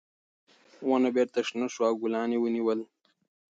ونه بېرته شنه شوه او ګلان یې ونیول.